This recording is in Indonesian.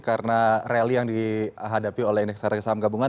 karena rally yang dihadapi oleh indeks harga saham gabungan